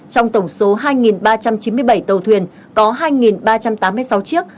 trong tổng số hai ba trăm chín mươi bảy tàu thuyền có hai ba trăm tám mươi sáu chiếc